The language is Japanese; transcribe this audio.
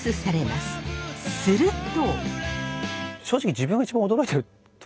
すると。